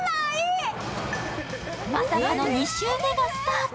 まさかの２周目がスタート。